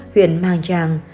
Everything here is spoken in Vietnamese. huyền mang trang